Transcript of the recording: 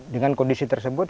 dengan kondisi tersebut